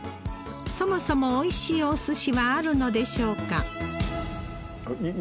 そもそもおいしいお寿司はあるのでしょうか？